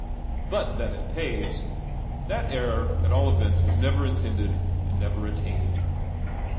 B\ that it pays !— that error at all events was neve intended and never attained."